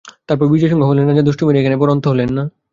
তারপর বিজয়সিংহ হলেন রাজা, দুষ্টুমির এইখানেই বড় অন্ত হলেন না।